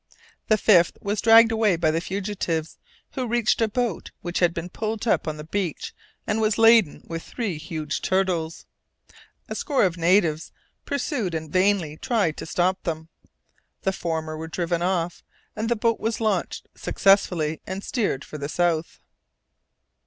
The fifth was dragged away by the fugitives, who reached a boat which had been pulled up on the beach and was laden with three huge turtles. A score of natives pursued and vainly tried to stop them; the former were driven off, and the boat was launched successfully and steered for the south.